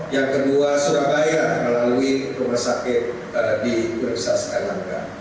yang kedua surabaya melalui rumah sakit di bersas lhk